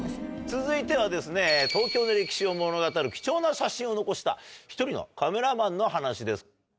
続いては東京の歴史を物語る貴重な写真を残した１人のカメラマンの話です。